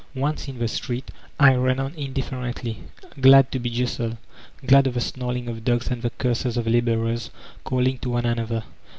Once in the street, I ran on indifferently, glad to be jostled, glad of the snarl ing of dogs and the curses of laborers calling to one another.